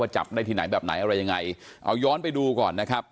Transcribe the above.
จับได้ที่ไหนแบบไหนอะไรยังไงเอาย้อนไปดูก่อนนะครับ